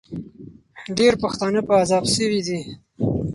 ډېر پښتانه په عذاب سوي دي.